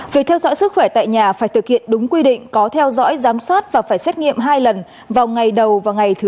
việc theo dõi sức khỏe tại nhà phải thực hiện đúng quy định có theo dõi giám sát và phải xét nghiệm hai lần vào ngày đầu và ngày thứ sáu